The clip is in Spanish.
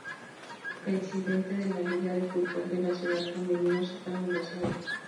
Presidente de la liga de fútbol de la ciudad Camerino Z. Mendoza Ver.